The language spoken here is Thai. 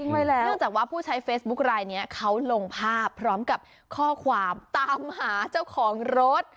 เนื่องจากว่าผู้ใช้เฟซบุ๊คลายนี้เขาลงภาพพร้อมกับข้อความตามหาเจ้าของรถ